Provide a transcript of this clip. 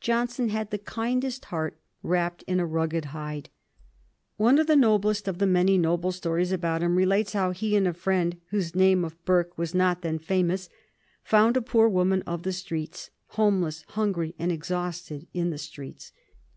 Johnson had the kindest heart wrapped in a rugged hide. One of the noblest of the many noble stories about him relates how he and a friend, whose name of Burke was not then famous, found a poor woman of the streets houseless, hungry, and exhausted in the streets.